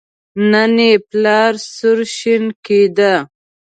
نن یې پلار سور شین کېده.